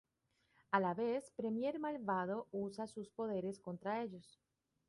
A la vez, Premier Malvado usa sus poderes contra ellos.